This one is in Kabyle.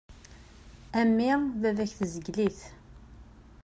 A mmi baba-k tezgel-it.